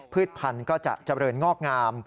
พันธุ์ก็จะเจริญงอกงาม